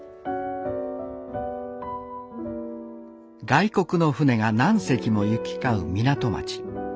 外国の船が何隻も行き交う港町。